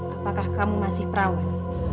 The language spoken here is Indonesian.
apakah kamu masih perawan